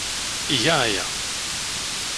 Iga aya.